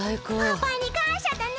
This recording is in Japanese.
パパにかんしゃだね。